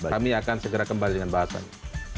kami akan segera kembali dengan bahasannya